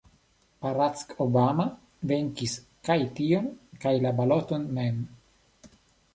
Barack Obama venkis kaj tion kaj la baloton mem.